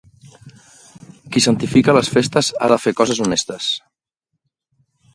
Qui santifica les festes ha de fer coses honestes.